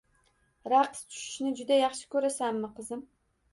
Raqs tushini juda yaxshi ko`rasanmi qizim